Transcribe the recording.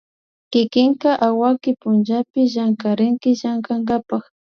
kikinka awaki pullapi kallarinki llankakapak